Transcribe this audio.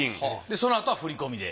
そのあとは振り込みで？